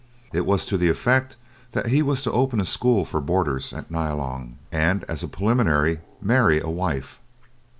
It was to the effect that he was to open a school for boarders at Nyalong, and, as a preliminary, marry a wife.